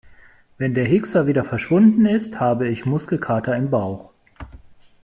Wenn der Hickser wieder verschwunden ist, habe ich Muskelkater im Bauch.